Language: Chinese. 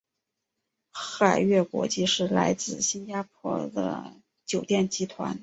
海悦国际是来自新加坡的酒店集团。